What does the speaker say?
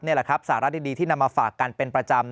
นี่แหละครับสาระดีที่นำมาฝากกันเป็นประจำ